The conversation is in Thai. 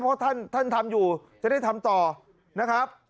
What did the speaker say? เพราะท่านทำอยู่จะได้ทำต่อนะครับ